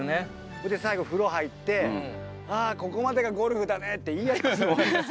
それで最後風呂入って「あここまでがゴルフだね」って言い合いますもん。